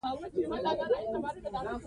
پامیر د افغانستان د صادراتو برخه ده.